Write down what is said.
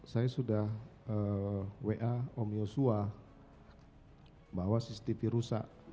saya sudah wa om yosua bahwa cctv rusak